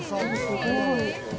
「すごい。